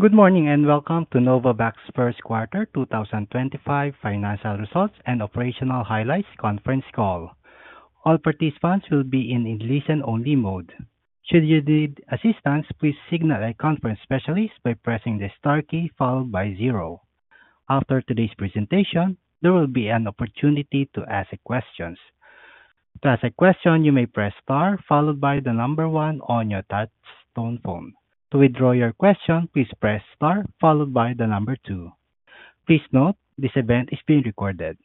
Good morning and welcome to Novavax First Quarter 2025 Financial Results and Operational Highlights Conference Call. All participants will be in listen-only mode. Should you need assistance, please signal a conference specialist by pressing the star key followed by zero. After today's presentation, there will be an opportunity to ask questions. To ask a question, you may press star followed by the number one on your touchstone phone. To withdraw your question, please press star followed by the number two. Please note this event is being recorded.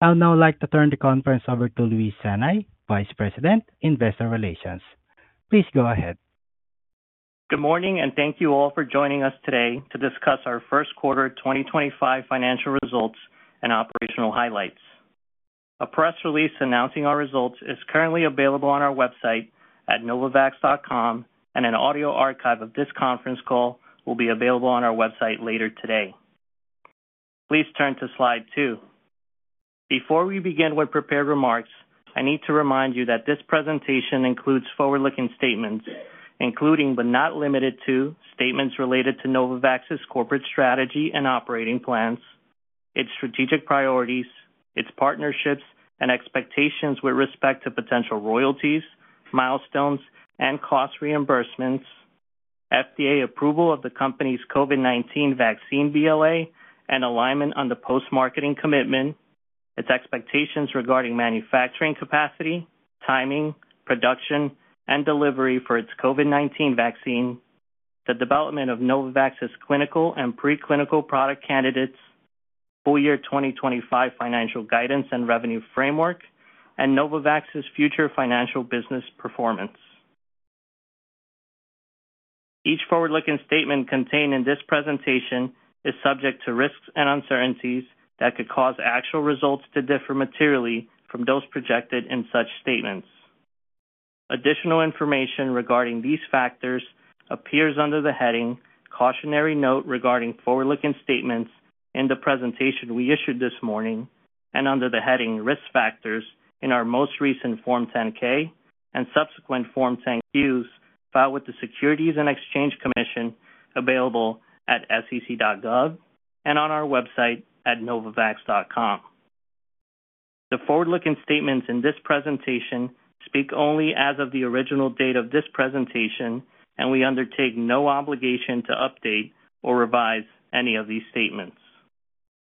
I would now like to turn the conference over to Luis Sanay, Vice President, Investor Relations. Please go ahead. Good morning and thank you all for joining us today to discuss our First Quarter 2025 Financial Results and Operational Highlights. A press release announcing our results is currently available on our website at novavax.com, and an audio archive of this conference call will be available on our website later today. Please turn to slide two. Before we begin with prepared remarks, I need to remind you that this presentation includes forward-looking statements, including but not limited to statements related to Novavax's corporate strategy and operating plans, its strategic priorities, its partnerships and expectations with respect to potential royalties, milestones, and cost reimbursements, FDA approval of the company's COVID-19 vaccine BLA, and alignment on the post-marketing commitment, its expectations regarding manufacturing capacity, timing, production, and delivery for its COVID-19 vaccine, the development of Novavax's clinical and preclinical product candidates, full year 2025 financial guidance and revenue framework, and Novavax's future financial business performance. Each forward-looking statement contained in this presentation is subject to risks and uncertainties that could cause actual results to differ materially from those projected in such statements. Additional information regarding these factors appears under the heading "Cautionary Note Regarding Forward-Looking Statements" in the presentation we issued this morning, and under the heading "Risk Factors" in our most recent Form 10-K and subsequent Form 10-Qs filed with the Securities and Exchange Commission available at sec.gov and on our website at novavax.com. The forward-looking statements in this presentation speak only as of the original date of this presentation, and we undertake no obligation to update or revise any of these statements.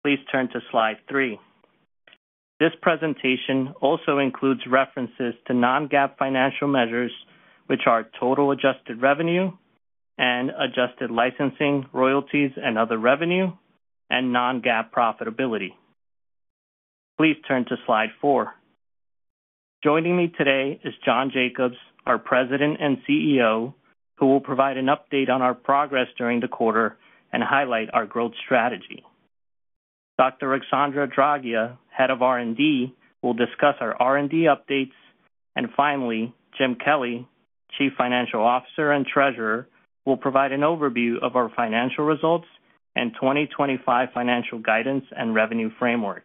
Please turn to slide three. This presentation also includes references to non-GAAP financial measures, which are total adjusted revenue, and adjusted licensing, royalties, and other revenue, and non-GAAP profitability. Please turn to slide four. Joining me today is John Jacobs, our President and CEO, who will provide an update on our progress during the quarter and highlight our growth strategy. Dr. Ruxandra Draghia, Head of R&D, will discuss our R&D updates. Finally, Jim Kelly, Chief Financial Officer and Treasurer, will provide an overview of our financial results and 2025 financial guidance and revenue framework.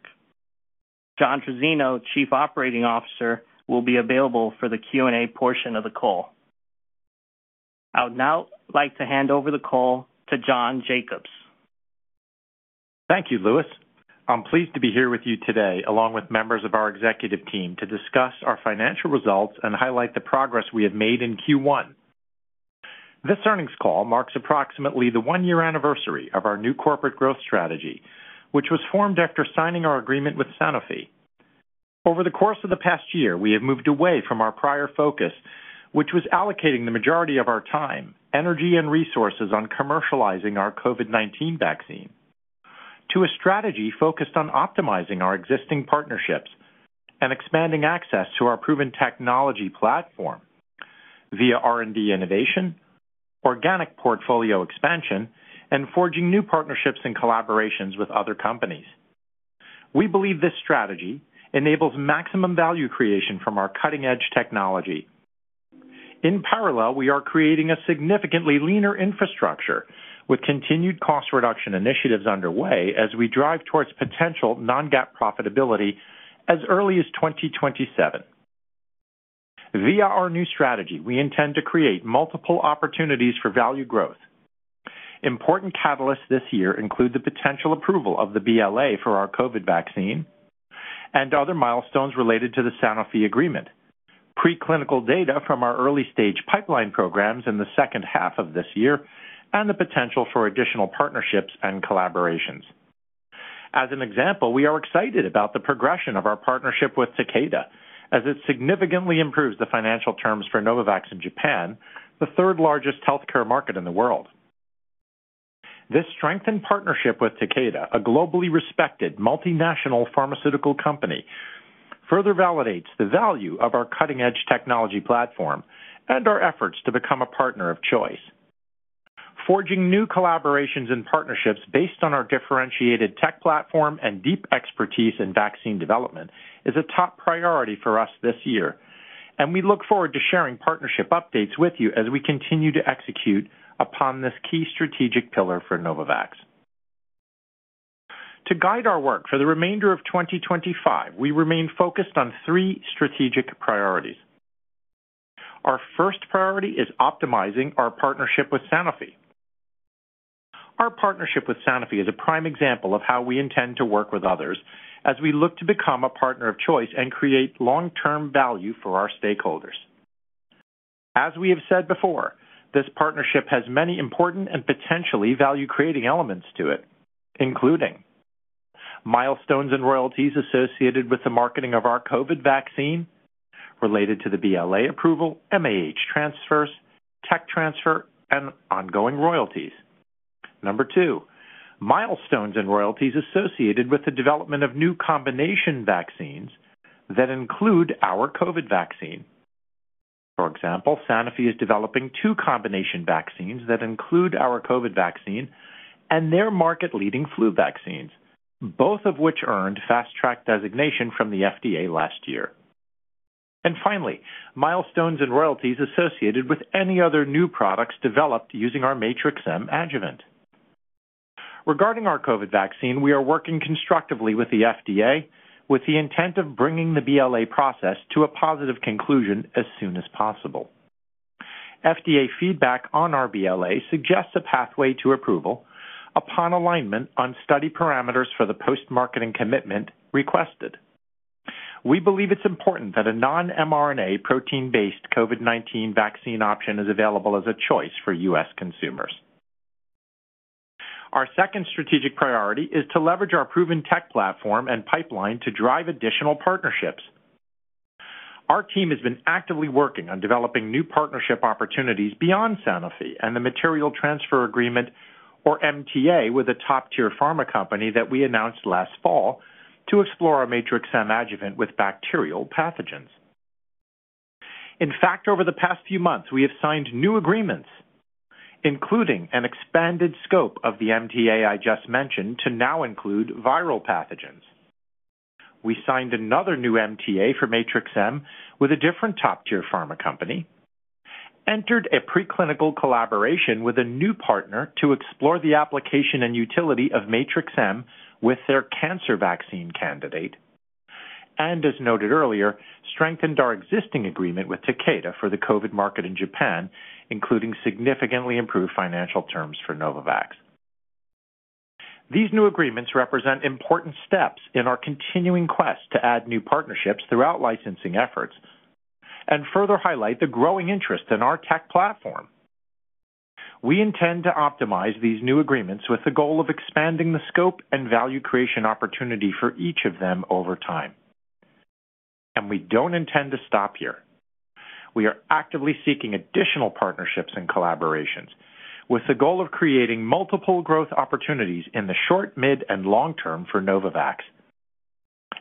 John Trizzino, Chief Operating Officer, will be available for the Q&A portion of the call. I would now like to hand over the call to John Jacobs. Thank you, Luis. I'm pleased to be here with you today, along with members of our executive team, to discuss our financial results and highlight the progress we have made in Q1. This earnings call marks approximately the one-year anniversary of our new corporate growth strategy, which was formed after signing our agreement with Sanofi. Over the course of the past year, we have moved away from our prior focus, which was allocating the majority of our time, energy, and resources on commercializing our COVID-19 vaccine, to a strategy focused on optimizing our existing partnerships and expanding access to our proven technology platform via R&D innovation, organic portfolio expansion, and forging new partnerships and collaborations with other companies. We believe this strategy enables maximum value creation from our cutting-edge technology. In parallel, we are creating a significantly leaner infrastructure, with continued cost reduction initiatives underway as we drive towards potential non-GAAP profitability as early as 2027. Via our new strategy, we intend to create multiple opportunities for value growth. Important catalysts this year include the potential approval of the BLA for our COVID-19 vaccine and other milestones related to the Sanofi agreement, preclinical data from our early-stage pipeline programs in the second half of this year, and the potential for additional partnerships and collaborations. As an example, we are excited about the progression of our partnership with Takeda, as it significantly improves the financial terms for Novavax in Japan, the third-largest healthcare market in the world. This strengthened partnership with Takeda, a globally respected multinational pharmaceutical company, further validates the value of our cutting-edge technology platform and our efforts to become a partner of choice. Forging new collaborations and partnerships based on our differentiated tech platform and deep expertise in vaccine development is a top priority for us this year, and we look forward to sharing partnership updates with you as we continue to execute upon this key strategic pillar for Novavax. To guide our work for the remainder of 2025, we remain focused on three strategic priorities. Our first priority is optimizing our partnership with Sanofi. Our partnership with Sanofi is a prime example of how we intend to work with others as we look to become a partner of choice and create long-term value for our stakeholders. As we have said before, this partnership has many important and potentially value-creating elements to it, including milestones and royalties associated with the marketing of our COVID-19 vaccine, related to the BLA approval, MAH transfers, tech transfer, and ongoing royalties. Number two, milestones and royalties associated with the development of new combination vaccines that include our COVID vaccine. For example, Sanofi is developing two combination vaccines that include our COVID vaccine and their market-leading flu vaccines, both of which earned fast-track designation from the FDA last year. Finally, milestones and royalties associated with any other new products developed using our Matrix-M adjuvant. Regarding our COVID vaccine, we are working constructively with the FDA with the intent of bringing the BLA process to a positive conclusion as soon as possible. FDA feedback on our BLA suggests a pathway to approval upon alignment on study parameters for the post-marketing commitment requested. We believe it's important that a non-mRNA protein-based COVID-19 vaccine option is available as a choice for U.S. consumers. Our second strategic priority is to leverage our proven tech platform and pipeline to drive additional partnerships. Our team has been actively working on developing new partnership opportunities beyond Sanofi and the Material Transfer Agreement, or MTA, with a top-tier pharma company that we announced last fall to explore our Matrix-M adjuvant with bacterial pathogens. In fact, over the past few months, we have signed new agreements, including an expanded scope of the MTA I just mentioned to now include viral pathogens. We signed another new MTA for Matrix-M with a different top-tier pharma company, entered a preclinical collaboration with a new partner to explore the application and utility of Matrix-M with their cancer vaccine candidate, and, as noted earlier, strengthened our existing agreement with Takeda for the COVID market in Japan, including significantly improved financial terms for Novavax. These new agreements represent important steps in our continuing quest to add new partnerships throughout licensing efforts and further highlight the growing interest in our tech platform. We intend to optimize these new agreements with the goal of expanding the scope and value creation opportunity for each of them over time. We do not intend to stop here. We are actively seeking additional partnerships and collaborations with the goal of creating multiple growth opportunities in the short, mid, and long term for Novavax.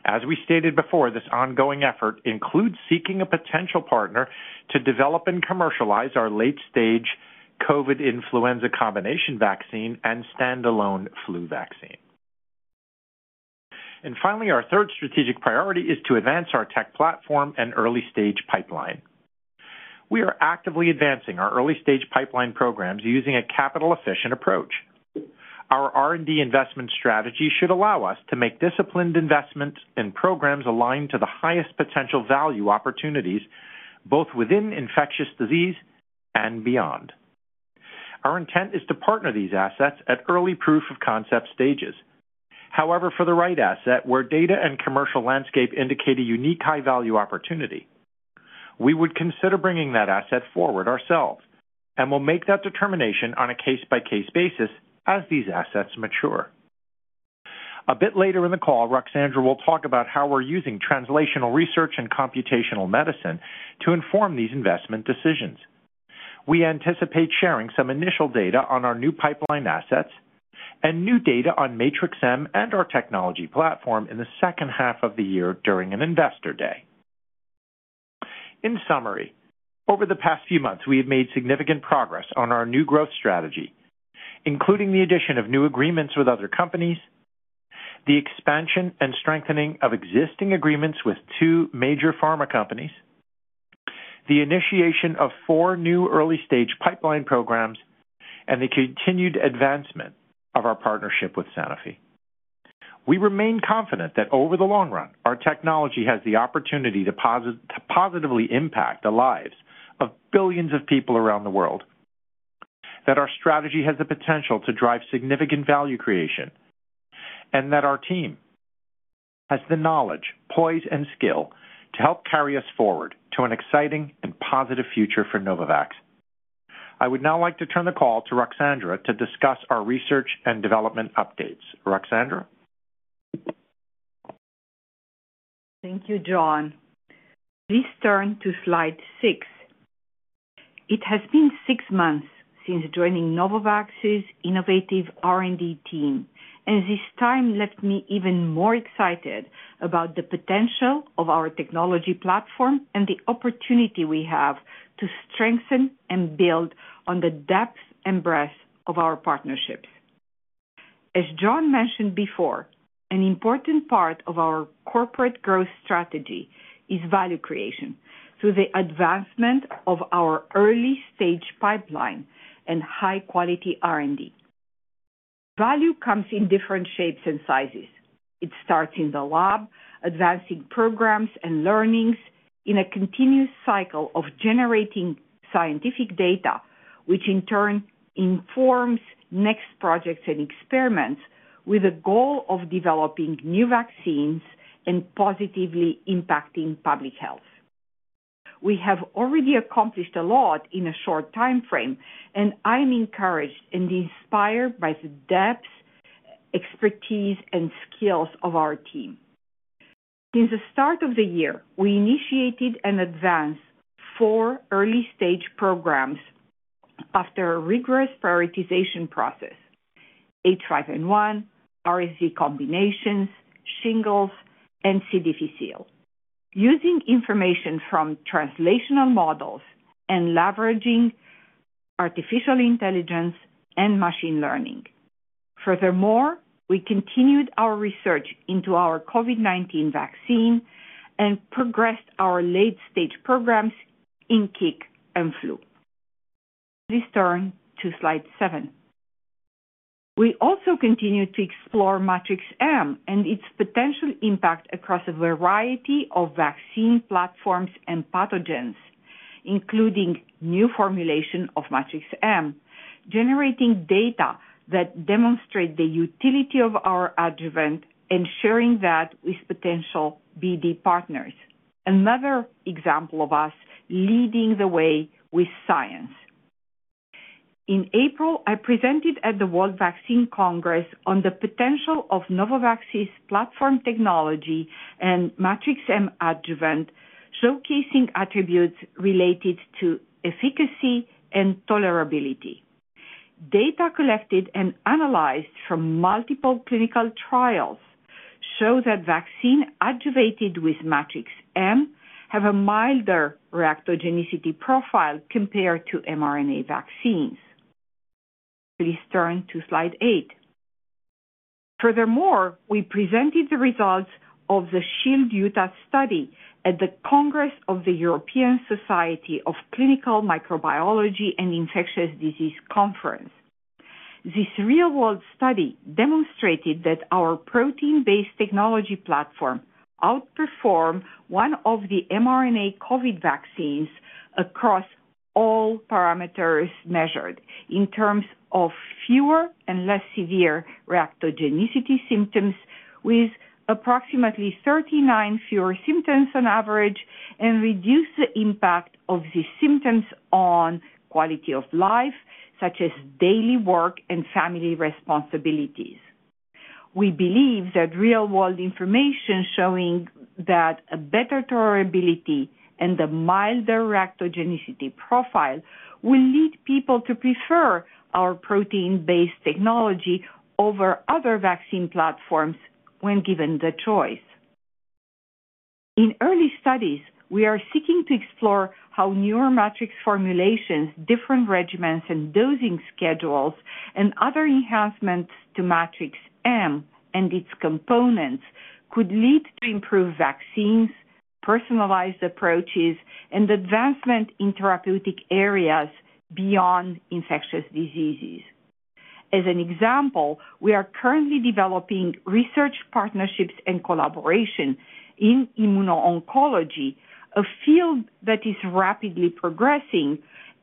As we stated before, this ongoing effort includes seeking a potential partner to develop and commercialize our late-stage COVID-19 influenza combination vaccine and standalone flu vaccine. Finally, our third strategic priority is to advance our tech platform and early-stage pipeline. We are actively advancing our early-stage pipeline programs using a capital-efficient approach. Our R&D investment strategy should allow us to make disciplined investments in programs aligned to the highest potential value opportunities both within infectious disease and beyond. Our intent is to partner these assets at early proof-of-concept stages. However, for the right asset, where data and commercial landscape indicate a unique high-value opportunity, we would consider bringing that asset forward ourselves, and we'll make that determination on a case-by-case basis as these assets mature. A bit later in the call, Ruxandra will talk about how we're using translational research and computational medicine to inform these investment decisions. We anticipate sharing some initial data on our new pipeline assets and new data on Matrix-M and our technology platform in the second half of the year during an investor day. In summary, over the past few months, we have made significant progress on our new growth strategy, including the addition of new agreements with other companies, the expansion and strengthening of existing agreements with two major pharma companies, the initiation of four new early-stage pipeline programs, and the continued advancement of our partnership with Sanofi. We remain confident that over the long run, our technology has the opportunity to positively impact the lives of billions of people around the world, that our strategy has the potential to drive significant value creation, and that our team has the knowledge, poise, and skill to help carry us forward to an exciting and positive future for Novavax. I would now like to turn the call to Ruxandra to discuss our research and development updates. Ruxandra? Thank you, John. Please turn to slide six. It has been six months since joining Novavax's innovative R&D team, and this time left me even more excited about the potential of our technology platform and the opportunity we have to strengthen and build on the depth and breadth of our partnerships. As John mentioned before, an important part of our corporate growth strategy is value creation through the advancement of our early-stage pipeline and high-quality R&D. Value comes in different shapes and sizes. It starts in the lab, advancing programs and learnings, in a continuous cycle of generating scientific data, which in turn informs next projects and experiments with the goal of developing new vaccines and positively impacting public health. We have already accomplished a lot in a short time frame, and I'm encouraged and inspired by the depth, expertise, and skills of our team. Since the start of the year, we initiated and advanced four early-stage programs after a rigorous prioritization process: H5N1, RSV combinations, shingles, and CDVCL, using information from translational models and leveraging artificial intelligence and machine learning. Furthermore, we continued our research into our COVID-19 vaccine and progressed our late-stage programs in kick and flu. Please turn to slide seven. We also continue to explore Matrix-M and its potential impact across a variety of vaccine platforms and pathogens, including new formulation of Matrix-M, generating data that demonstrate the utility of our adjuvant and sharing that with potential BD partners. Another example of us leading the way with science. In April, I presented at the World Vaccine Congress on the potential of Novavax's platform technology and Matrix-M adjuvant, showcasing attributes related to efficacy and tolerability. Data collected and analyzed from multiple clinical trials show that vaccines adjuvanted with Matrix-M have a milder reactogenicity profile compared to mRNA vaccines. Please turn to slide eight. Furthermore, we presented the results of the SHIELD-Utah study at the Congress of the European Society of Clinical Microbiology and Infectious Diseases Conference. This real-world study demonstrated that our protein-based technology platform outperformed one of the mRNA COVID-19 vaccines across all parameters measured in terms of fewer and less severe reactogenicity symptoms, with approximately 39 fewer symptoms on average, and reduced the impact of these symptoms on quality of life, such as daily work and family responsibilities. We believe that real-world information showing that a better tolerability and a milder reactogenicity profile will lead people to prefer our protein-based technology over other vaccine platforms when given the choice. In early studies, we are seeking to explore how newer matrix formulations, different regimens and dosing schedules, and other enhancements to Matrix-M and its components could lead to improved vaccines, personalized approaches, and advancement in therapeutic areas beyond infectious diseases. As an example, we are currently developing research partnerships and collaboration in immuno-oncology, a field that is rapidly progressing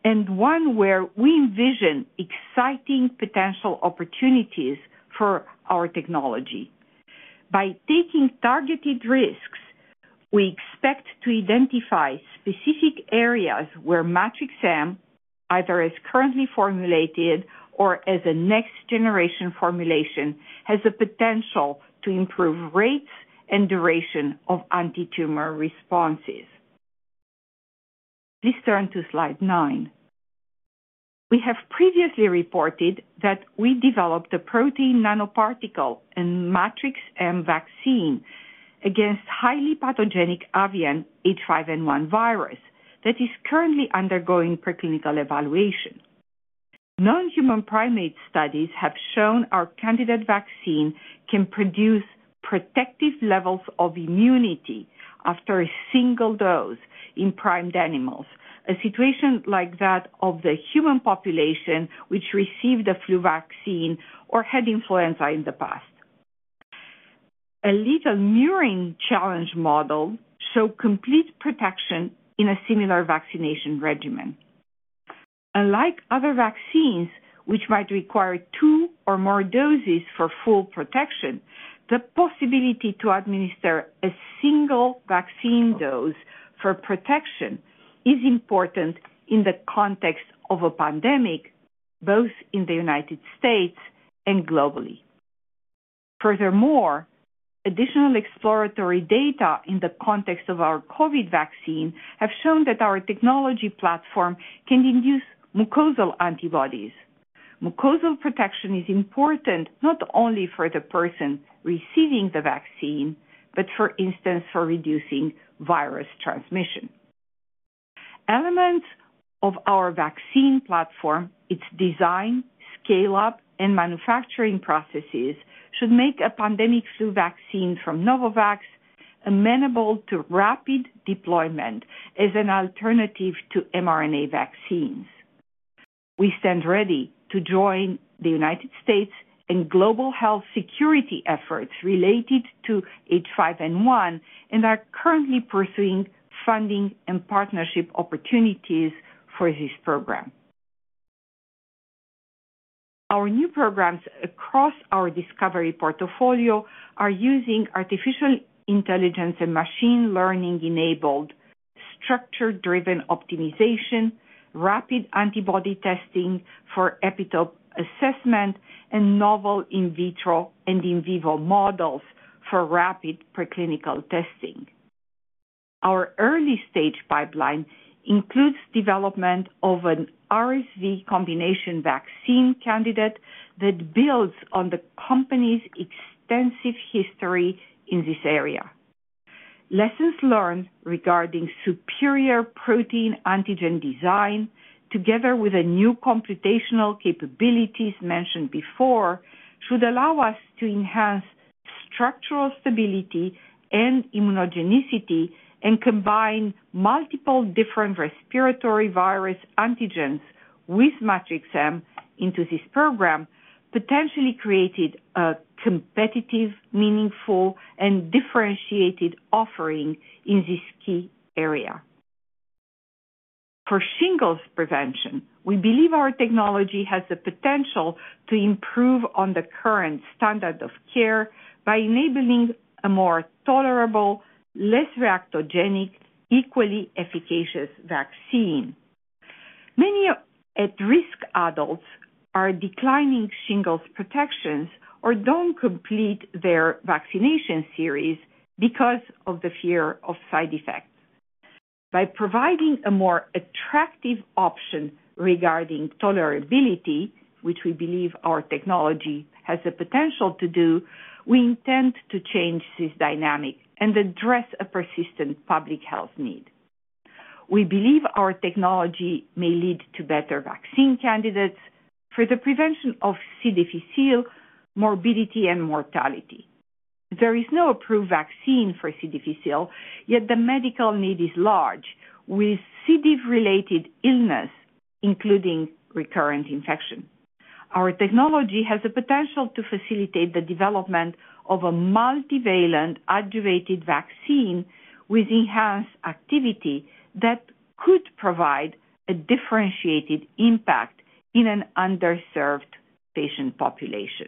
and one where we envision exciting potential opportunities for our technology. By taking targeted risks, we expect to identify specific areas where Matrix-M, either as currently formulated or as a next-generation formulation, has the potential to improve rates and duration of anti-tumor responses. Please turn to slide nine. We have previously reported that we developed a protein nanoparticle and Matrix-M vaccine against highly pathogenic avian H5N1 virus that is currently undergoing preclinical evaluation. Non-human primate studies have shown our candidate vaccine can produce protective levels of immunity after a single dose in primed animals, a situation like that of the human population which received a flu vaccine or had influenza in the past. A little murine challenge model showed complete protection in a similar vaccination regimen. Unlike other vaccines, which might require two or more doses for full protection, the possibility to administer a single vaccine dose for protection is important in the context of a pandemic, both in the U.S. and globally. Furthermore, additional exploratory data in the context of our COVID-19 vaccine have shown that our technology platform can induce mucosal antibodies. Mucosal protection is important not only for the person receiving the vaccine, but for instance, for reducing virus transmission. Elements of our vaccine platform, its design, scale-up, and manufacturing processes should make a pandemic flu vaccine from Novavax amenable to rapid deployment as an alternative to mRNA vaccines. We stand ready to join the United States and global health security efforts related to H5N1 and are currently pursuing funding and partnership opportunities for this program. Our new programs across our discovery portfolio are using artificial intelligence and machine learning-enabled structure-driven optimization, rapid antibody testing for epitope assessment, and novel in vitro and in vivo models for rapid preclinical testing. Our early-stage pipeline includes development of an RSV combination vaccine candidate that builds on the company's extensive history in this area. Lessons learned regarding superior protein antigen design, together with the new computational capabilities mentioned before, should allow us to enhance structural stability and immunogenicity and combine multiple different respiratory virus antigens with Matrix-M into this program, potentially creating a competitive, meaningful, and differentiated offering in this key area. For shingles prevention, we believe our technology has the potential to improve on the current standard of care by enabling a more tolerable, less reactogenic, equally efficacious vaccine. Many at-risk adults are declining shingles protections or do not complete their vaccination series because of the fear of side effects. By providing a more attractive option regarding tolerability, which we believe our technology has the potential to do, we intend to change this dynamic and address a persistent public health need. We believe our technology may lead to better vaccine candidates for the prevention of CDVCL morbidity and mortality. There is no approved vaccine for CDVCL, yet the medical need is large with CDV-related illness, including recurrent infection. Our technology has the potential to facilitate the development of a multivalent adjuvanted vaccine with enhanced activity that could provide a differentiated impact in an underserved patient population.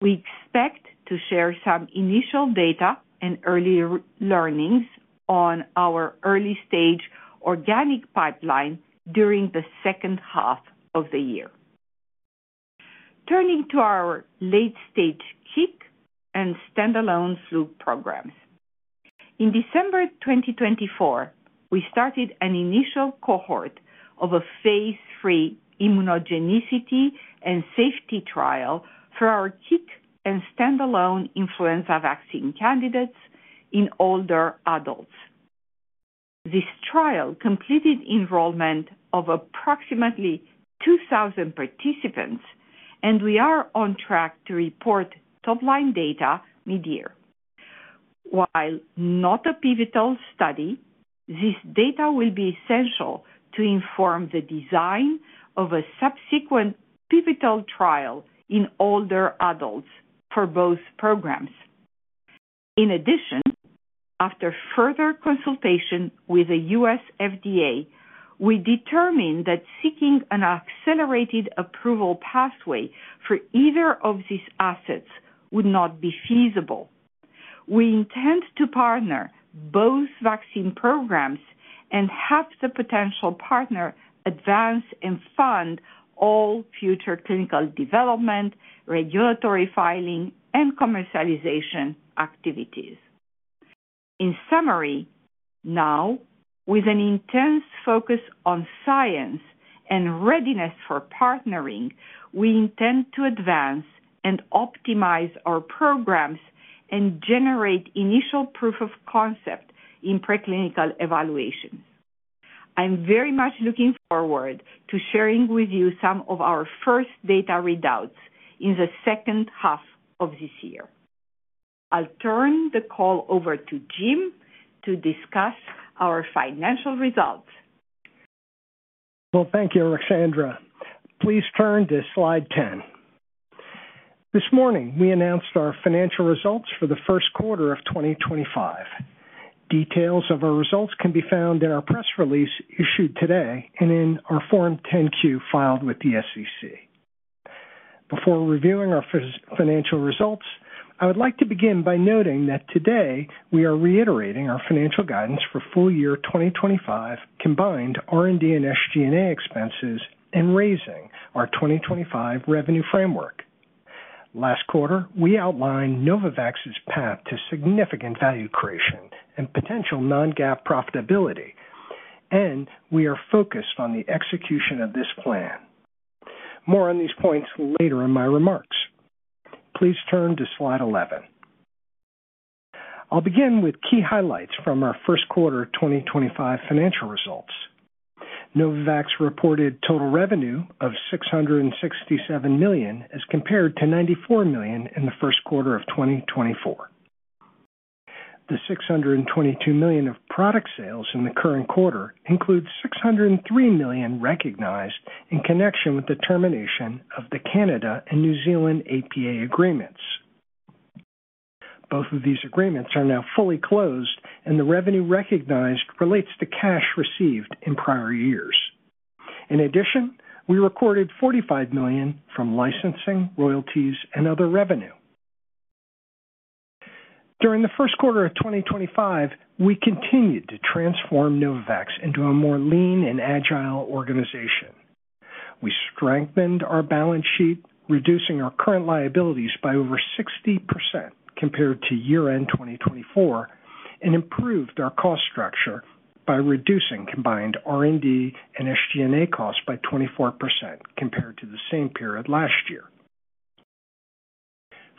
We expect to share some initial data and early learnings on our early-stage organic pipeline during the second half of the year. Turning to our late-stage CIC and standalone flu programs. In December 2024, we started an initial cohort of a phase three immunogenicity and safety trial for our CIC and standalone influenza vaccine candidates in older adults. This trial completed enrollment of approximately 2,000 participants, and we are on track to report top-line data mid-year. While not a pivotal study, this data will be essential to inform the design of a subsequent pivotal trial in older adults for both programs. In addition, after further consultation with the U.S. FDA, we determined that seeking an accelerated approval pathway for either of these assets would not be feasible. We intend to partner both vaccine programs and have the potential partner advance and fund all future clinical development, regulatory filing, and commercialization activities. In summary, now, with an intense focus on science and readiness for partnering, we intend to advance and optimize our programs and generate initial proof of concept in preclinical evaluations. I'm very much looking forward to sharing with you some of our first data readouts in the second half of this year. I'll turn the call over to Jim to discuss our financial results. Thank you, Ruxandra. Please turn to slide 10. This morning, we announced our financial results for the first quarter of 2025. Details of our results can be found in our press release issued today and in our Form 10-Q filed with the SEC. Before reviewing our financial results, I would like to begin by noting that today we are reiterating our financial guidance for full year 2025, combined R&D and SG&A expenses, and raising our 2025 revenue framework. Last quarter, we outlined Novavax's path to significant value creation and potential non-GAAP profitability, and we are focused on the execution of this plan. More on these points later in my remarks. Please turn to slide 11. I'll begin with key highlights from our first quarter 2025 financial results. Novavax reported total revenue of $667 million as compared to $94 million in the first quarter of 2024. The $622 million of product sales in the current quarter includes $603 million recognized in connection with the termination of the Canada and New Zealand APA agreements. Both of these agreements are now fully closed, and the revenue recognized relates to cash received in prior years. In addition, we recorded $45 million from licensing, royalties, and other revenue. During the first quarter of 2025, we continued to transform Novavax into a more lean and agile organization. We strengthened our balance sheet, reducing our current liabilities by over 60% compared to year-end 2024, and improved our cost structure by reducing combined R&D and SG&A costs by 24% compared to the same period last year.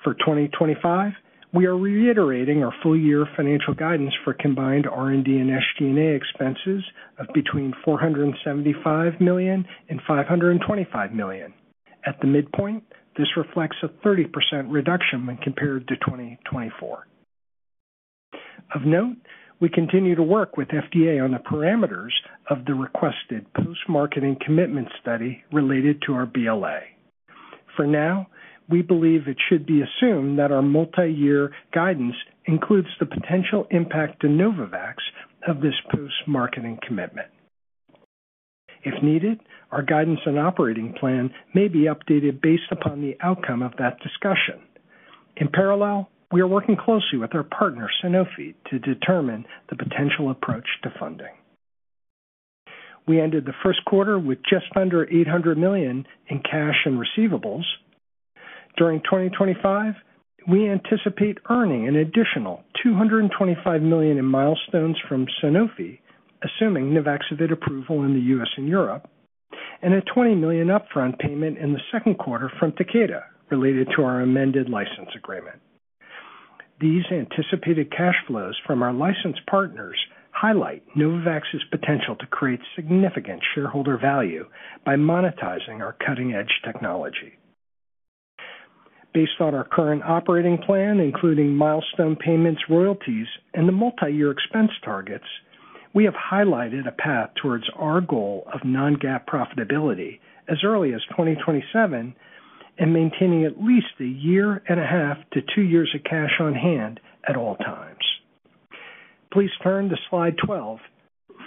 For 2025, we are reiterating our full-year financial guidance for combined R&D and SG&A expenses of between $475 million and $525 million. At the midpoint, this reflects a 30% reduction when compared to 2024. Of note, we continue to work with FDA on the parameters of the requested post-marketing commitment study related to our BLA. For now, we believe it should be assumed that our multi-year guidance includes the potential impact to Novavax of this post-marketing commitment. If needed, our guidance and operating plan may be updated based upon the outcome of that discussion. In parallel, we are working closely with our partner, Sanofi, to determine the potential approach to funding. We ended the first quarter with just under $800 million in cash and receivables. During 2025, we anticipate earning an additional $225 million in milestones from Sanofi, assuming Nuvaxovid approval in the U.S. and Europe, and a $20 million upfront payment in the second quarter from Takeda related to our amended license agreement. These anticipated cash flows from our licensed partners highlight Novavax's potential to create significant shareholder value by monetizing our cutting-edge technology. Based on our current operating plan, including milestone payments, royalties, and the multi-year expense targets, we have highlighted a path towards our goal of non-GAAP profitability as early as 2027 and maintaining at least a year and a half to two years of cash on hand at all times. Please turn to slide 12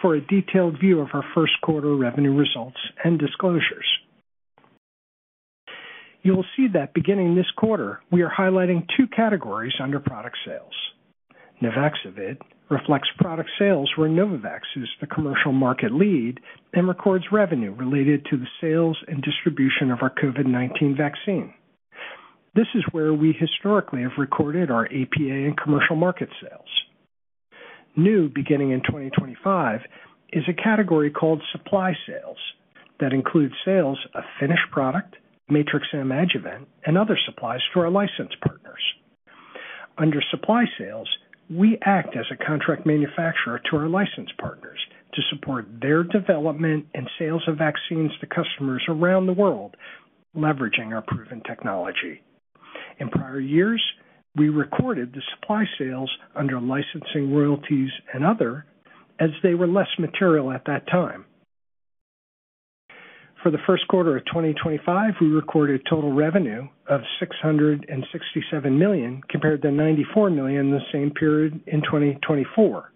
for a detailed view of our first quarter revenue results and disclosures. You'll see that beginning this quarter, we are highlighting two categories under product sales. Nuvaxovid reflects product sales where Novavax is the commercial market lead and records revenue related to the sales and distribution of our COVID-19 vaccine. This is where we historically have recorded our APA and commercial market sales. New, beginning in 2025, is a category called supply sales that includes sales of finished product, Matrix-M adjuvant, and other supplies to our licensed partners. Under supply sales, we act as a contract manufacturer to our licensed partners to support their development and sales of vaccines to customers around the world, leveraging our proven technology. In prior years, we recorded the supply sales under licensing, royalties, and other as they were less material at that time. For the first quarter of 2025, we recorded total revenue of $667 million compared to $94 million in the same period in 2024.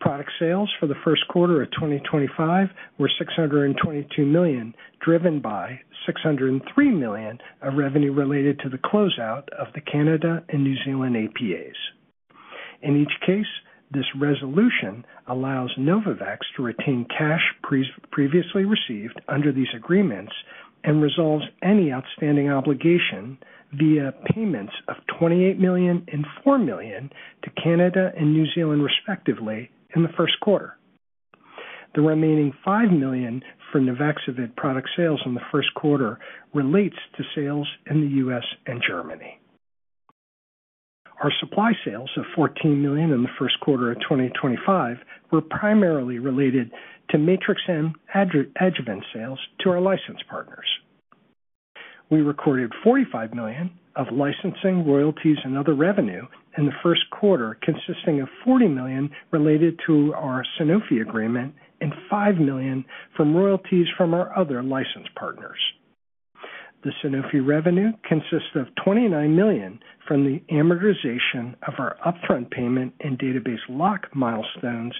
Product sales for the first quarter of 2025 were $622 million, driven by $603 million of revenue related to the closeout of the Canada and New Zealand APAs. In each case, this resolution allows Novavax to retain cash previously received under these agreements and resolves any outstanding obligation via payments of $28 million and $4 million to Canada and New Zealand, respectively, in the first quarter. The remaining $5 million for Nuvaxovid product sales in the first quarter relates to sales in the U.S. and Germany. Our supply sales of $14 million in the first quarter of 2025 were primarily related to Matrix-M adjuvant sales to our licensed partners. We recorded $45 million of licensing, royalties, and other revenue in the first quarter, consisting of $40 million related to our Sanofi agreement and $5 million from royalties from our other licensed partners. The Sanofi revenue consists of $29 million from the amortization of our upfront payment and database lock milestones,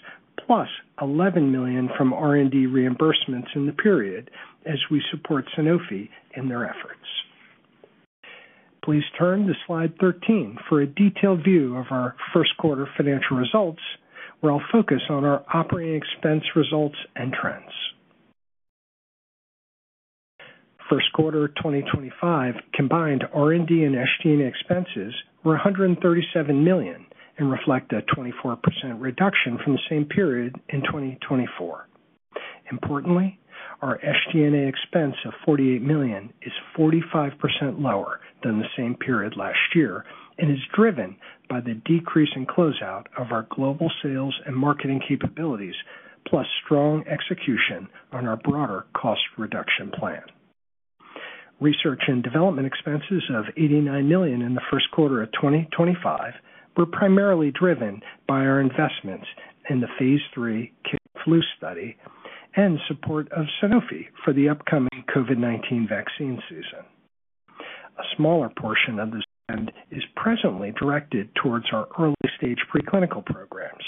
plus $11 million from R&D reimbursements in the period as we support Sanofi in their efforts. Please turn to slide 13 for a detailed view of our first quarter financial results, where I'll focus on our operating expense results and trends. First quarter 2025 combined R&D and SG&A expenses were $137 million and reflect a 24% reduction from the same period in 2024. Importantly, our SG&A expense of $48 million is 45% lower than the same period last year and is driven by the decrease in closeout of our global sales and marketing capabilities, plus strong execution on our broader cost reduction plan. Research and development expenses of $89 million in the first quarter of 2025 were primarily driven by our investments in the phase three kid flu study and support of Sanofi for the upcoming COVID-19 vaccine season. A smaller portion of this spend is presently directed towards our early-stage preclinical programs.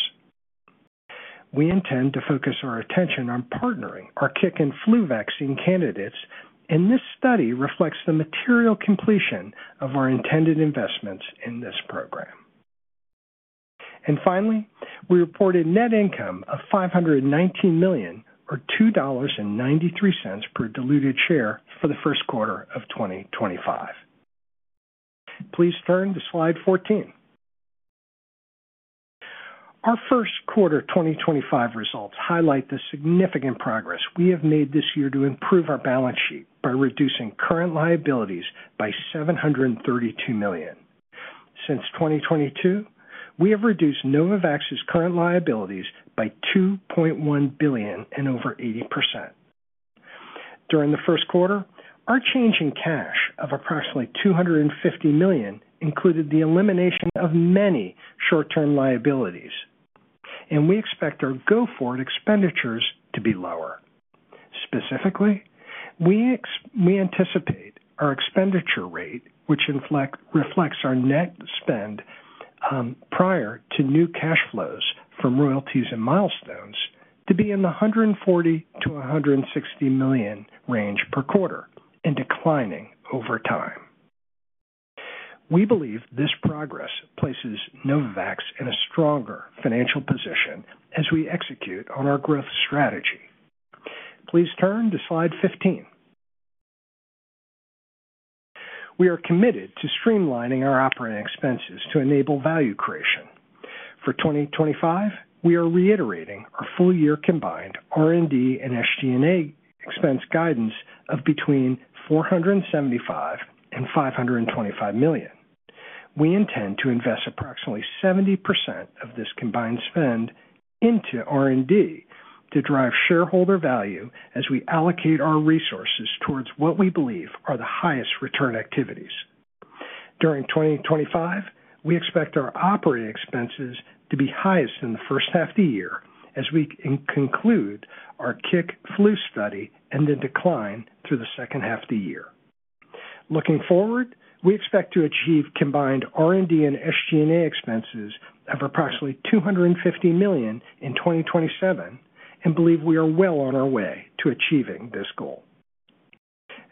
We intend to focus our attention on partnering our CIC and flu vaccine candidates, and this study reflects the material completion of our intended investments in this program. Finally, we reported net income of $519 million, or $2.93 per diluted share, for the first quarter of 2025. Please turn to slide 14. Our first quarter 2025 results highlight the significant progress we have made this year to improve our balance sheet by reducing current liabilities by $732 million. Since 2022, we have reduced Novavax's current liabilities by $2.1 billion and over 80%. During the first quarter, our change in cash of approximately $250 million included the elimination of many short-term liabilities, and we expect our go-forward expenditures to be lower. Specifically, we anticipate our expenditure rate, which reflects our net spend prior to new cash flows from royalties and milestones, to be in the $140 million-$160 million range per quarter and declining over time. We believe this progress places Novavax in a stronger financial position as we execute on our growth strategy. Please turn to slide 15. We are committed to streamlining our operating expenses to enable value creation. For 2025, we are reiterating our full-year combined R&D and SG&A expense guidance of between $475 mllion and $525 million. We intend to invest approximately 70% of this combined spend into R&D to drive shareholder value as we allocate our resources towards what we believe are the highest return activities. During 2025, we expect our operating expenses to be highest in the first half of the year as we conclude our CIC flu study and then decline through the second half of the year. Looking forward, we expect to achieve combined R&D and SG&A expenses of approximately $250 million in 2027 and believe we are well on our way to achieving this goal.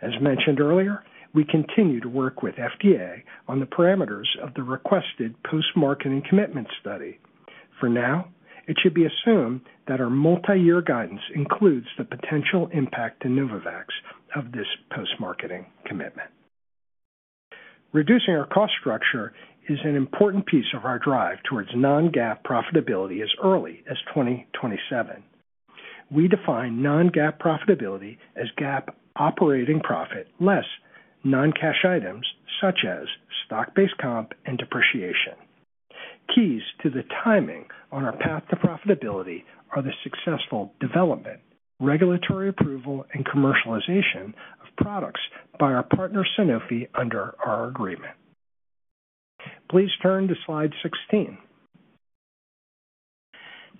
As mentioned earlier, we continue to work with FDA on the parameters of the requested post-marketing commitment study. For now, it should be assumed that our multi-year guidance includes the potential impact to Novavax of this post-marketing commitment. Reducing our cost structure is an important piece of our drive towards non-GAAP profitability as early as 2027. We define non-GAAP profitability as GAAP operating profit less non-cash items such as stock-based comp and depreciation. Keys to the timing on our path to profitability are the successful development, regulatory approval, and commercialization of products by our partner Sanofi under our agreement. Please turn to slide 16.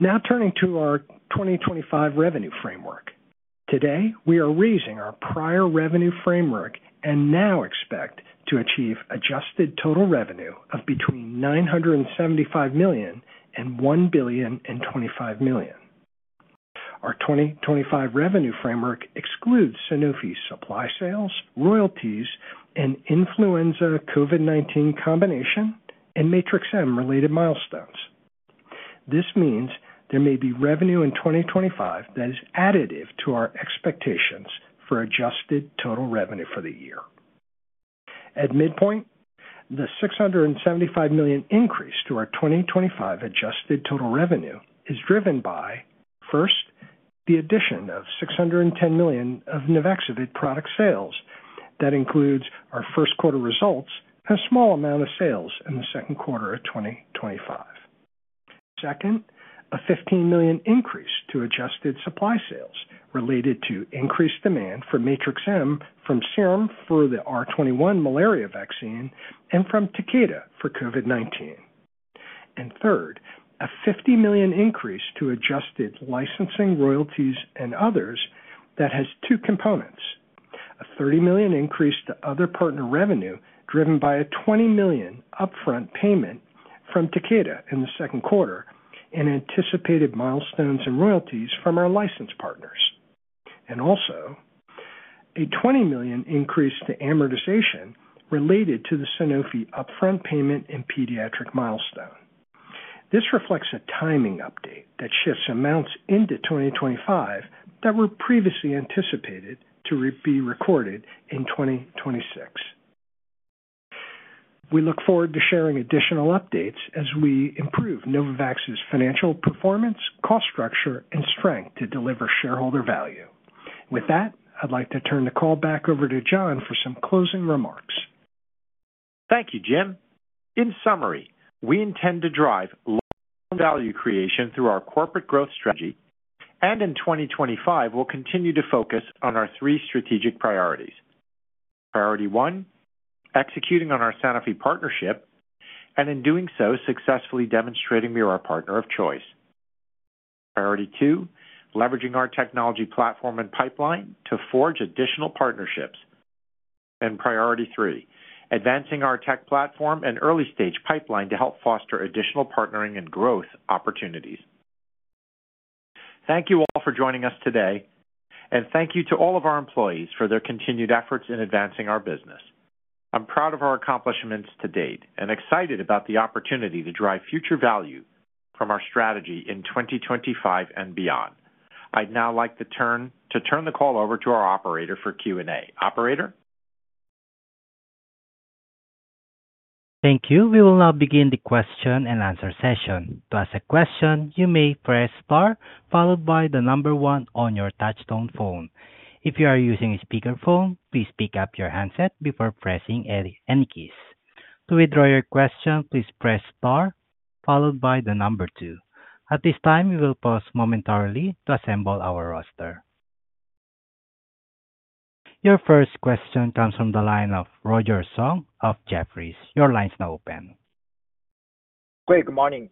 Now turning to our 2025 revenue framework. Today, we are raising our prior revenue framework and now expect to achieve adjusted total revenue of between $975 million and $1.25 billion. Our 2025 revenue framework excludes Sanofi's supply sales, royalties, and influenza COVID-19 combination and Matrix-M related milestones. This means there may be revenue in 2025 that is additive to our expectations for adjusted total revenue for the year. At midpoint, the $675 million increase to our 2025 adjusted total revenue is driven by, first, the addition of $610 million of Nuvaxovid product sales that includes our first quarter results and a small amount of sales in the second quarter of 2025. Second, a $15 million increase to adjusted supply sales related to increased demand for Matrix-M from Serum for the R21 malaria vaccine and from Takeda for COVID-19. Third, a $50 million increase to adjusted licensing, royalties, and others that has two components. A $30 million increase to other partner revenue driven by a $20 million upfront payment from Takeda in the second quarter and anticipated milestones and royalties from our licensed partners. Also, a $20 million increase to amortization related to the Sanofi upfront payment and pediatric milestone. This reflects a timing update that shifts amounts into 2025 that were previously anticipated to be recorded in 2026. We look forward to sharing additional updates as we improve Novavax's financial performance, cost structure, and strength to deliver shareholder value. With that, I'd like to turn the call back over to John for some closing remarks. Thank you, Jim. In summary, we intend to drive value creation through our corporate growth strategy, and in 2025, we'll continue to focus on our three strategic priorities. Priority one, executing on our Sanofi partnership, and in doing so, successfully demonstrating we are a partner of choice. Priority two, leveraging our technology platform and pipeline to forge additional partnerships. Priority three, advancing our tech platform and early-stage pipeline to help foster additional partnering and growth opportunities. Thank you all for joining us today, and thank you to all of our employees for their continued efforts in advancing our business. I'm proud of our accomplishments to date and excited about the opportunity to drive future value from our strategy in 2025 and beyond. I'd now like to turn the call over to our operator for Q&A. Operator? Thank you. We will now begin the question and answer session. To ask a question, you may press star followed by the number one on your touchstone phone. If you are using a speakerphone, please pick up your handset before pressing any keys. To withdraw your question, please press star followed by the number two. At this time, we will pause momentarily to assemble our roster. Your first question comes from the line of Roger Song of Jefferies. Your line's now open. Great. Good morning.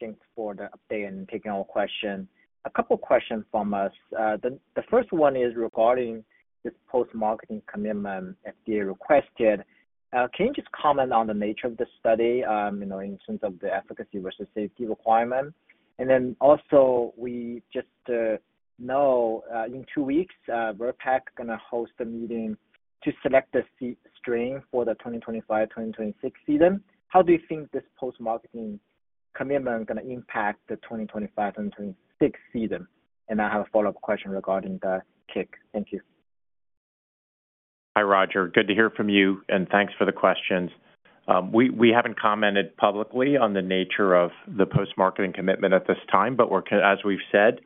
Thanks for the update and taking our question. A couple of questions from us. The first one is regarding this post-marketing commitment FDA requested. Can you just comment on the nature of the study in terms of the efficacy versus safety requirement? And then also, we just know in two weeks, VRBPAC is going to host a meeting to select the strain for the 2025-2026 season. How do you think this post-marketing commitment is going to impact the 2025-2026 season? I have a follow-up question regarding the CIC. Thank you. Hi, Roger. Good to hear from you, and thanks for the questions. We have not commented publicly on the nature of the post-marketing commitment at this time, but as we have said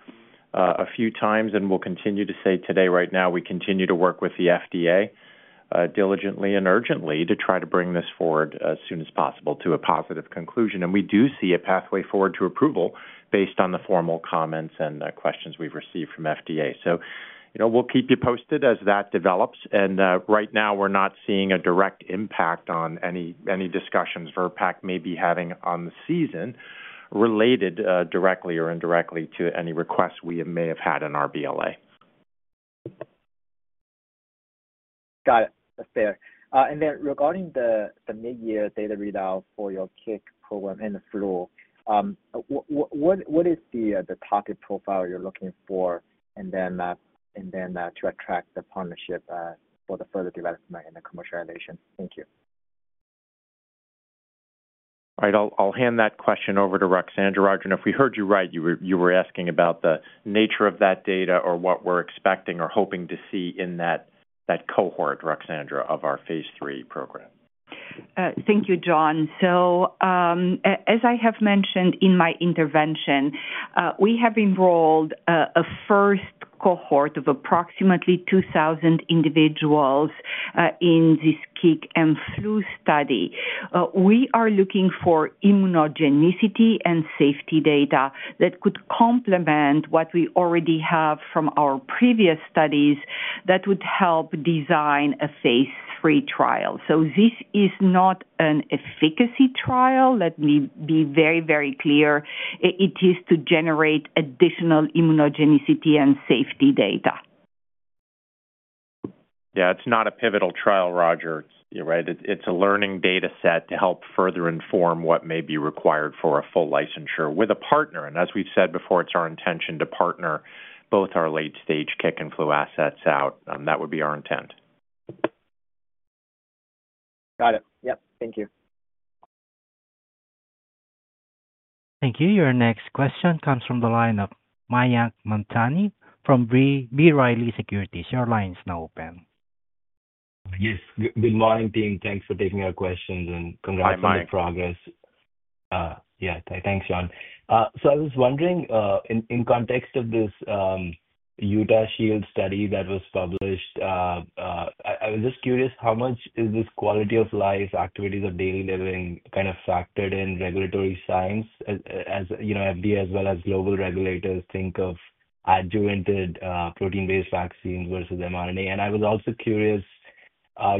a few times and we will continue to say today, right now, we continue to work with the FDA diligently and urgently to try to bring this forward as soon as possible to a positive conclusion. We do see a pathway forward to approval based on the formal comments and questions we have received from FDA. We will keep you posted as that develops. Right now, we're not seeing a direct impact on any discussions VRBPAC may be having on the season related directly or indirectly to any requests we may have had in our BLA. Got it. That's fair. Regarding the mid-year data readout for your CIC program and the flu, what is the target profile you're looking for to attract the partnership for the further development and the commercialization? Thank you. All right. I'll hand that question over to Ruxandra. Roger, and if we heard you right, you were asking about the nature of that data or what we're expecting or hoping to see in that cohort, Ruxandra, of our phase three program. Thank you, John. As I have mentioned in my intervention, we have enrolled a first cohort of approximately 2,000 individuals in this CIC and flu study. We are looking for immunogenicity and safety data that could complement what we already have from our previous studies that would help design a phase three trial. This is not an efficacy trial, let me be very, very clear. It is to generate additional immunogenicity and safety data. Yeah, it's not a pivotal trial, Roger, right? It's a learning data set to help further inform what may be required for a full licensure with a partner. As we've said before, it's our intention to partner both our late-stage kick and flu assets out. That would be our intent. Got it. Yep. Thank you. Thank you. Your next question comes from the line of Mayank Mamtani from B. Riley Securities. Your line's now open. Yes. Good morning, team. Thanks for taking our questions and congrats on the progress. Yeah. Thanks, John. I was wondering, in context of this Utah SHIELD study that was published, I was just curious how much is this quality of life, activities of daily living kind of factored in regulatory science as FDA as well as global regulators think of adjuvanted protein-based vaccines versus mRNA? I was also curious,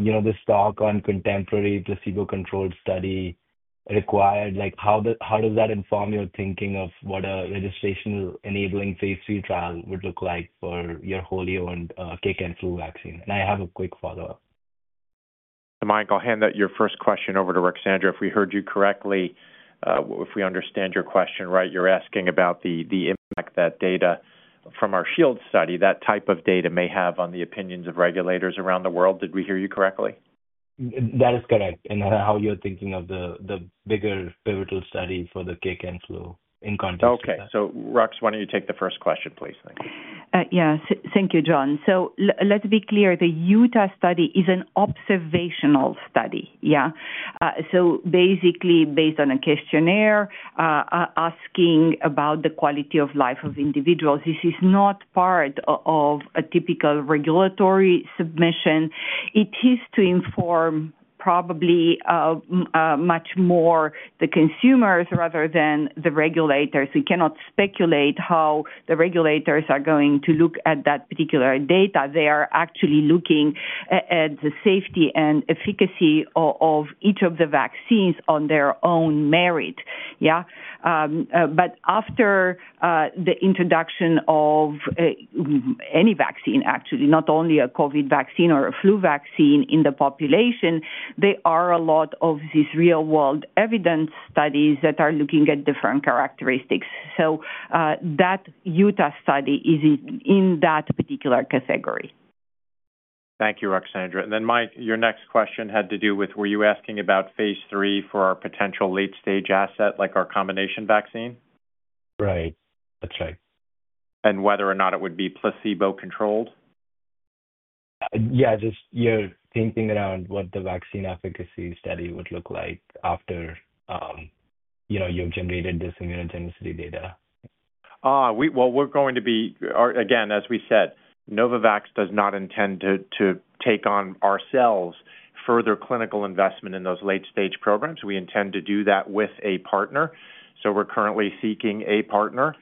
this talk on contemporary placebo-controlled study required, how does that inform your thinking of what a registration-enabling phase three trial would look like for your wholly owned kick and flu vaccine? I have a quick follow-up. Mike, I'll hand that first question over to Ruxandra. If we heard you correctly, if we understand your question right, you're asking about the impact that data from our SHIELD study, that type of data may have on the opinions of regulators around the world. Did we hear you correctly? That is correct. How you're thinking of the bigger pivotal study for the CIC and flu in context of that. Okay. Rux, why don't you take the first question, please? Thank you. Yeah. Thank you, John. Let's be clear. The Utah study is an observational study, yeah? Basically, based on a questionnaire asking about the quality of life of individuals. This is not part of a typical regulatory submission. It is to inform probably much more the consumers rather than the regulators. We cannot speculate how the regulators are going to look at that particular data. They are actually looking at the safety and efficacy of each of the vaccines on their own merit, yeah? But after the introduction of any vaccine, actually, not only a COVID-19 vaccine or a flu vaccine in the population, there are a lot of these real-world evidence studies that are looking at different characteristics. That Utah study is in that particular category. Thank you, Ruxandra. Mayank, your next question had to do with, were you asking about phase three for our potential late-stage asset like our combination vaccine? Right. That's right. And whether or not it would be placebo-controlled? Yeah. Just your thinking around what the vaccine efficacy study would look like after you've generated this immunogenicity data. We are going to be again, as we said, Novavax does not intend to take on ourselves further clinical investment in those late-stage programs. We intend to do that with a partner. We are currently seeking a partner.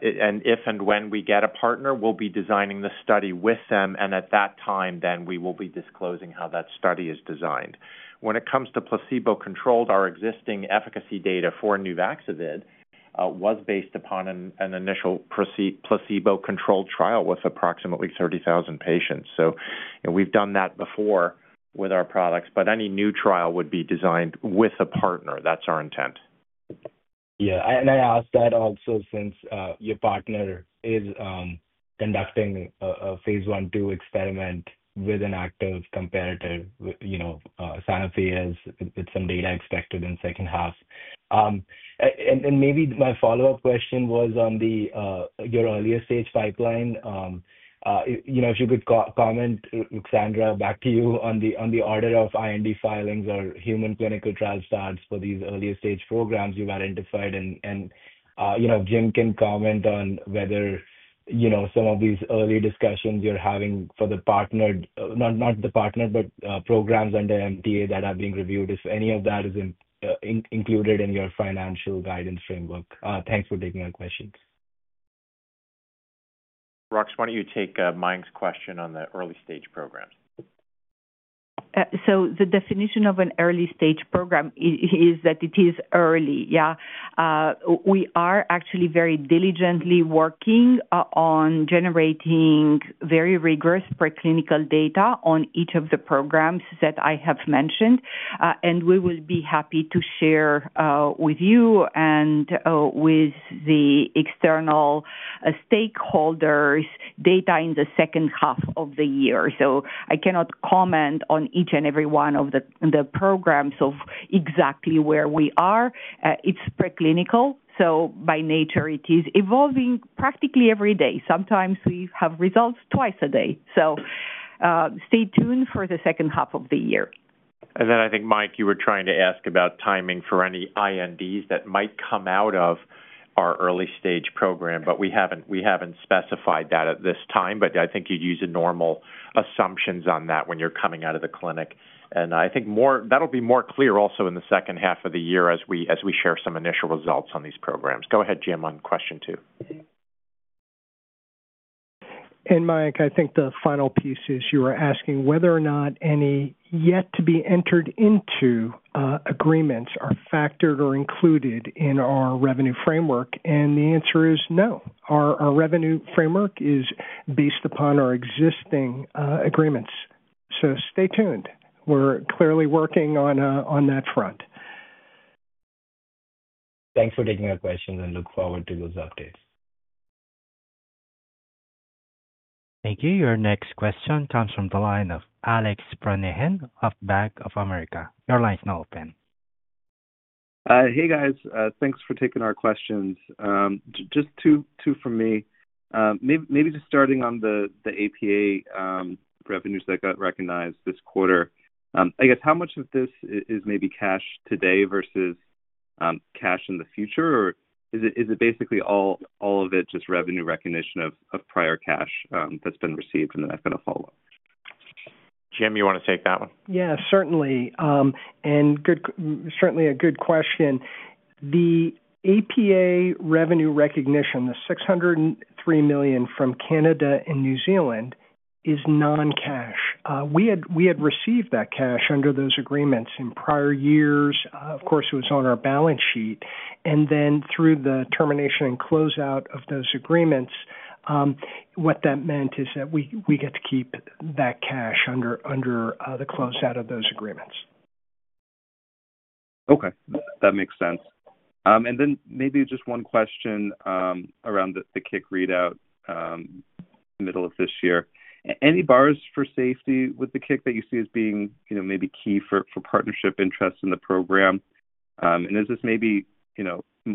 If and when we get a partner, we'll be designing the study with them. At that time, we will be disclosing how that study is designed. When it comes to placebo-controlled, our existing efficacy data for Nuvaxovid was based upon an initial placebo-controlled trial with approximately 30,000 patients. We have done that before with our products, but any new trial would be designed with a partner. That is our intent. Yeah. I ask that also since your partner is conducting a phase one two experiment with an active competitor, Sanofi, with some data expected in second half. Maybe my follow-up question was on your earlier stage pipeline. If you could comment, Ruxandra, back to you on the order of IND filings or human clinical trial starts for these earlier stage programs you have identified. Jim can comment on whether some of these early discussions you are having for the partner, not the partner, but programs under MTA that are being reviewed, if any of that is included in your financial guidance framework. Thanks for taking our questions. Rux, why do you not take Mike's question on the early-stage programs? The definition of an early-stage program is that it is early, yeah? We are actually very diligently working on generating very rigorous preclinical data on each of the programs that I have mentioned. We will be happy to share with you and with the external stakeholders data in the second half of the year. I cannot comment on each and every one of the programs of exactly where we are. It is preclinical. By nature, it is evolving practically every day. Sometimes we have results twice a day. Stay tuned for the second half of the year. I think, Mike, you were trying to ask about timing for any INDs that might come out of our early-stage program, but we have not specified that at this time. I think you would use normal assumptions on that when you are coming out of the clinic. I think that will be more clear also in the second half of the year as we share some initial results on these programs. Go ahead, Jim, on question two. Mike, I think the final piece is you were asking whether or not any yet to be entered into agreements are factored or included in our revenue framework. The answer is no. Our revenue framework is based upon our existing agreements. Stay tuned. We are clearly working on that front. Thanks for taking our questions and look forward to those updates. Thank you. Your next question comes from the line of Alec Stranahan of Bank of America. Your line's now open. Hey, guys. Thanks for taking our questions. Just two from me. Maybe just starting on the APA revenues that got recognized this quarter. I guess how much of this is maybe cash today versus cash in the future? Or is it basically all of it just revenue recognition of prior cash that's been received? And then that's going to follow up. Jim, you want to take that one? Yeah, certainly. And certainly a good question. The APA revenue recognition, the $603 million from Canada and New Zealand, is non-cash. We had received that cash under those agreements in prior years. Of course, it was on our balance sheet. Through the termination and closeout of those agreements, what that meant is that we get to keep that cash under the closeout of those agreements. Okay. That makes sense. Maybe just one question around the kick readout middle of this year. Any bars for safety with the kick that you see as being maybe key for partnership interests in the program? Is this maybe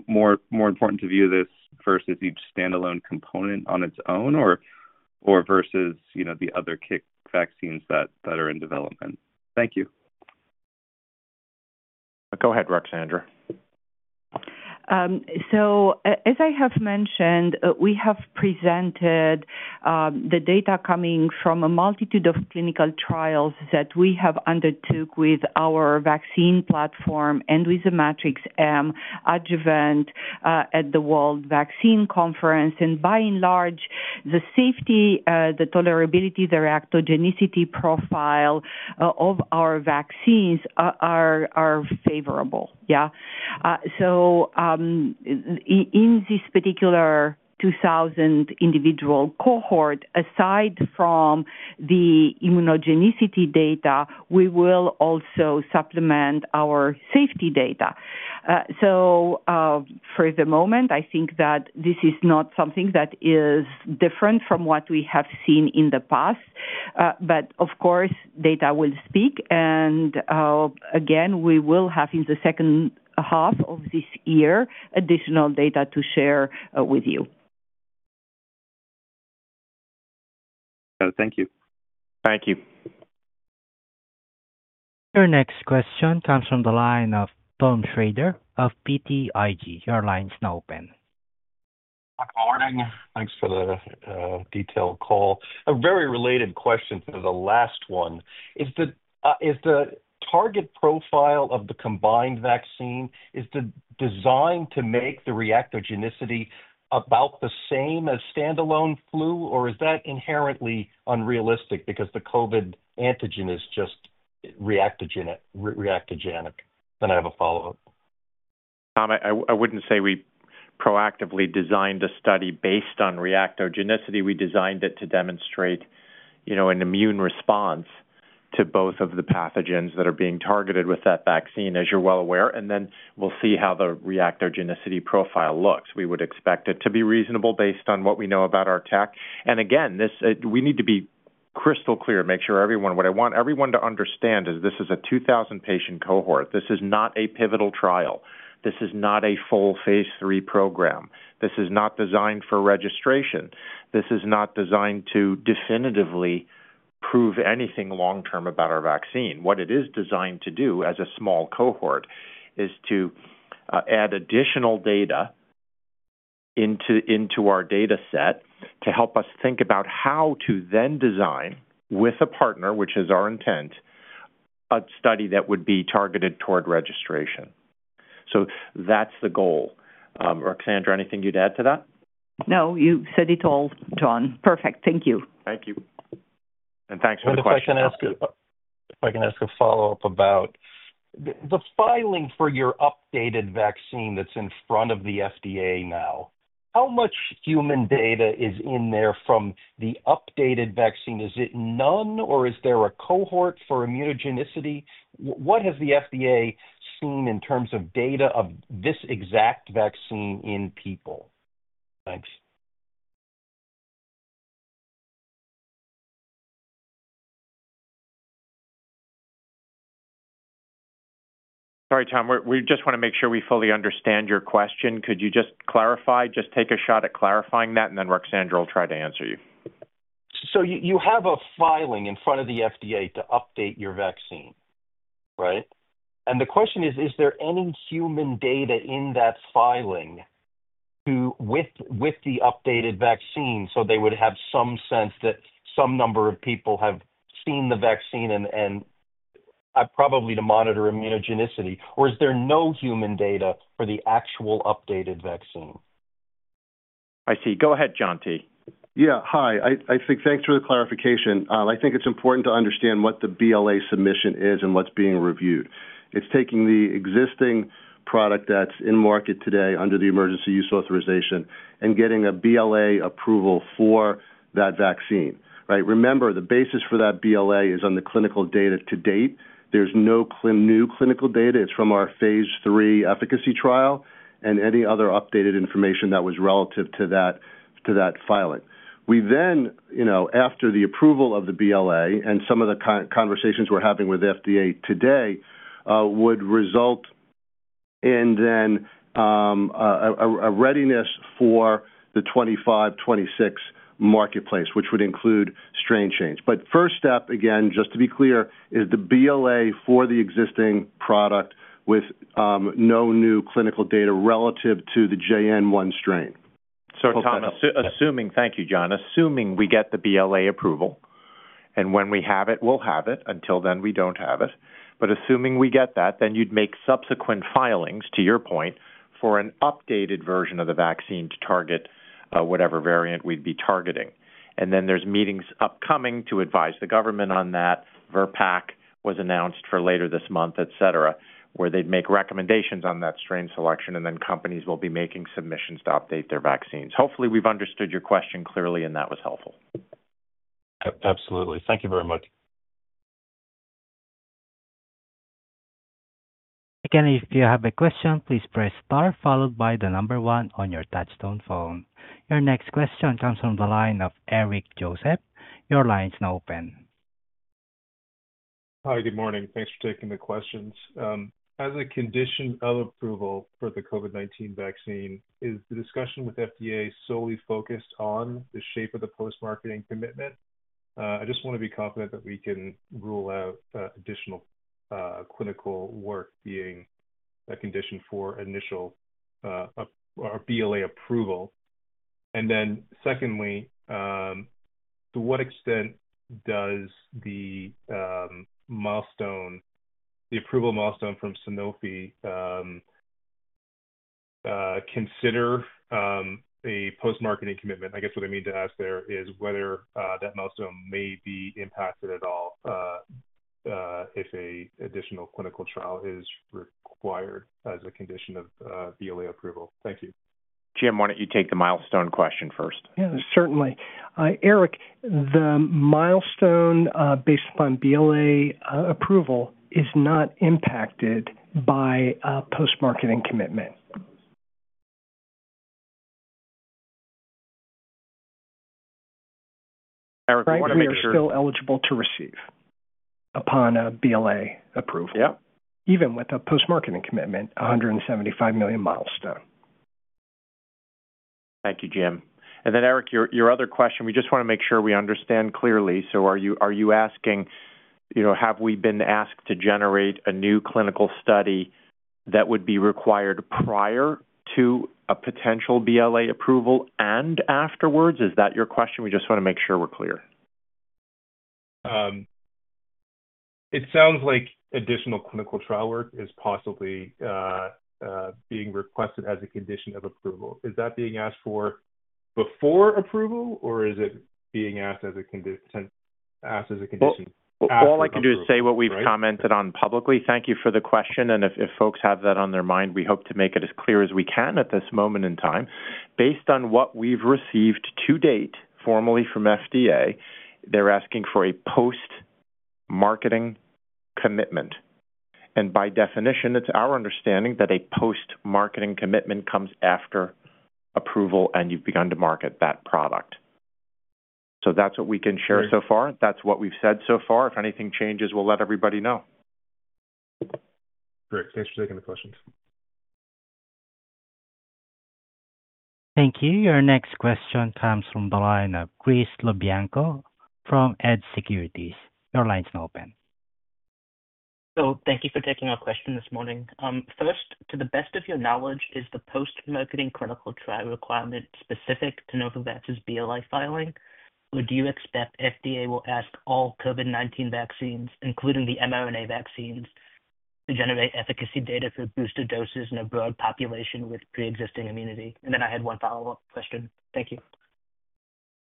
more important to view this versus each standalone component on its own or versus the other kick vaccines that are in development? Thank you. Go ahead, Ruxandra. As I have mentioned, we have presented the data coming from a multitude of clinical trials that we have undertook with our vaccine platform and with the Matrix-M adjuvant at the World Vaccine Conference. By and large, the safety, the tolerability, the reactogenicity profile of our vaccines are favorable, yeah? In this particular 2,000 individual cohort, aside from the immunogenicity data, we will also supplement our safety data. For the moment, I think that this is not something that is different from what we have seen in the past. Of course, data will speak. Again, we will have in the second half of this year additional data to share with you. Thank you. Thank you. Your next question comes from the line of Tom Shrader of BTIG. Your line's now open. Good morning. Thanks for the detailed call. A very related question to the last one is the target profile of the combined vaccine, is the design to make the reactogenicity about the same as standalone flu, or is that inherently unrealistic because the COVID antigen is just reactogenic? I have a follow-up. Tom, I would not say we proactively designed a study based on reactogenicity. We designed it to demonstrate an immune response to both of the pathogens that are being targeted with that vaccine, as you're well aware. We will see how the reactogenicity profile looks. We would expect it to be reasonable based on what we know about our tech. Again, we need to be crystal clear and make sure everyone, what I want everyone to understand is this is a 2,000-patient cohort. This is not a pivotal trial. This is not a full phase three program. This is not designed for registration. This is not designed to definitively prove anything long-term about our vaccine. What it is designed to do as a small cohort is to add additional data into our data set to help us think about how to then design, with a partner, which is our intent, a study that would be targeted toward registration. That's the goal. Ruxandra, anything you'd add to that? No. You said it all, John. Perfect. Thank you. Thank you. Thanks for the question. If I can ask a follow-up about the filing for your updated vaccine that's in front of the FDA now, how much human data is in there from the updated vaccine? Is it none, or is there a cohort for immunogenicity? What has the FDA seen in terms of data of this exact vaccine in people? Thanks. Sorry, Tom. We just want to make sure we fully understand your question. Could you just clarify, just take a shot at clarifying that, and then Ruxandra will try to answer you. You have a filing in front of the FDA to update your vaccine, right? The question is, is there any human data in that filing with the updated vaccine so they would have some sense that some number of people have seen the vaccine and probably to monitor immunogenicity? Or is there no human data for the actual updated vaccine? I see. Go ahead, John T. Yeah. Hi. Thanks for the clarification. I think it's important to understand what the BLA submission is and what's being reviewed. It's taking the existing product that's in market today under the emergency use authorization and getting a BLA approval for that vaccine, right? Remember, the basis for that BLA is on the clinical data to date. There's no new clinical data. It's from our phase three efficacy trial and any other updated information that was relative to that filing. We then, after the approval of the BLA and some of the conversations we're having with FDA today, would result in then a readiness for the 2025, 2026 marketplace, which would include strain change. First step, again, just to be clear, is the BLA for the existing product with no new clinical data relative to the JN.1 strain. Assuming, thank you, John. Assuming we get the BLA approval. When we have it, we'll have it. Until then, we don't have it. Assuming we get that, then you'd make subsequent filings, to your point, for an updated version of the vaccine to target whatever variant we'd be targeting. There are meetings upcoming to advise the government on that. VRBPAC was announced for later this month, etc., where they'd make recommendations on that strain selection, and then companies will be making submissions to update their vaccines. Hopefully, we've understood your question clearly, and that was helpful. Absolutely. Thank you very much. Again, if you have a question, please press star followed by the number one on your touchstone phone. Your next question comes from the line of Eric Joseph. Your line's now open. Hi. Good morning. Thanks for taking the questions. As a condition of approval for the COVID-19 vaccine, is the discussion with FDA solely focused on the shape of the post-marketing commitment? I just want to be confident that we can rule out additional clinical work being a condition for initial BLA approval. Then secondly, to what extent does the approval milestone from Sanofi consider a post-marketing commitment? I guess what I mean to ask there is whether that milestone may be impacted at all if an additional clinical trial is required as a condition of BLA approval. Thank you. Jim, why do not you take the milestone question first? Yeah, certainly. Eric, the milestone based upon BLA approval is not impacted by a post-marketing commitment. Eric, we want to make sure. Right. You are still eligible to receive upon a BLA approval, even with a post-marketing commitment, $175 million milestone. Thank you, Jim. And then, Eric, your other question, we just want to make sure we understand clearly. So are you asking, have we been asked to generate a new clinical study that would be required prior to a potential BLA approval and afterwards? Is that your question? We just want to make sure we are clear. It sounds like additional clinical trial work is possibly being requested as a condition of approval. Is that being asked for before approval, or is it being asked as a condition? All I can do is say what we have commented on publicly. Thank you for the question. If folks have that on their mind, we hope to make it as clear as we can at this moment in time. Based on what we've received to date formally from FDA, they're asking for a post-marketing commitment. By definition, it's our understanding that a post-marketing commitment comes after approval and you've begun to market that product. That's what we can share so far. That's what we've said so far. If anything changes, we'll let everybody know. Great. Thanks for taking the questions. Thank you. Your next question comes from the line of Chris LoBianco from TD Securities. Your line's now open. Thank you for taking our question this morning. First, to the best of your knowledge, is the post-marketing clinical trial requirement specific to Novavax's BLA filing? Or do you expect FDA will ask all COVID-19 vaccines, including the mRNA vaccines, to generate efficacy data for booster doses in a broad population with pre-existing immunity? I had one follow-up question. Thank you.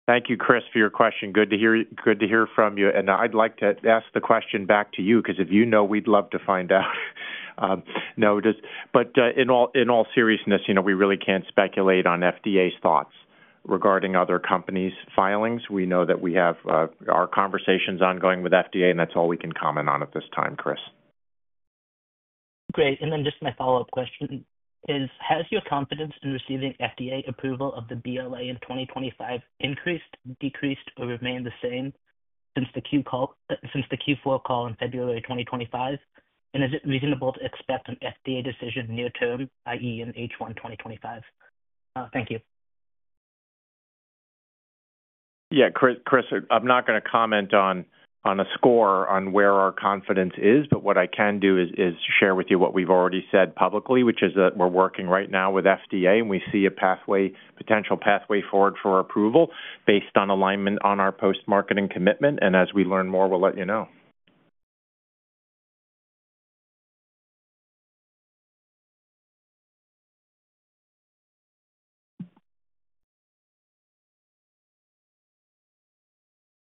Thank you, Chris, for your question. Good to hear from you. I'd like to ask the question back to you because if you know, we'd love to find out. No. In all seriousness, we really can't speculate on FDA's thoughts regarding other companies' filings. We know that we have our conversations ongoing with FDA, and that's all we can comment on at this time, Chris. Great. My follow-up question is, has your confidence in receiving FDA approval of the BLA in 2025 increased, decreased, or remained the same since the Q4 call in February 2025? Is it reasonable to expect an FDA decision near term, i.e., in H1 2025? Thank you. Yeah. Chris, I'm not going to comment on a score on where our confidence is, but what I can do is share with you what we've already said publicly, which is that we're working right now with FDA, and we see a potential pathway forward for approval based on alignment on our post-marketing commitment. As we learn more, we'll let you know.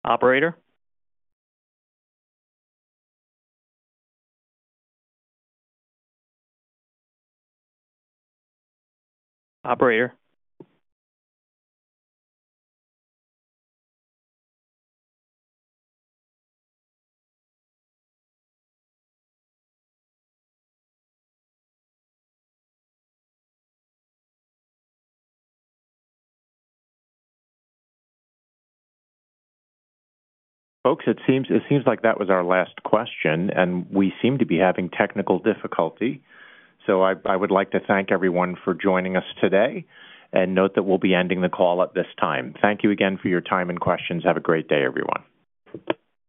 Operator? Operator? Folks, it seems like that was our last question, and we seem to be having technical difficulty. I would like to thank everyone for joining us today and note that we'll be ending the call at this time. Thank you again for your time and questions. Have a great day, everyone.